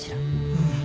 うん。